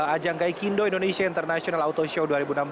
ajang gaikindo indonesia international auto show dua ribu enam belas